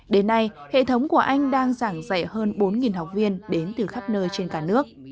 đến nay hệ thống của anh đang giảng dạy hơn bốn học viên đến từ khắp nơi trên cả nước